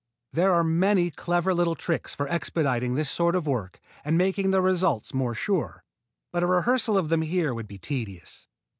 There are many clever little tricks for expediting this sort of work and for making the results more sure, but a rehearsal of them here would be tedious.